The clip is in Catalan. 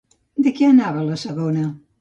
De què anava la segona?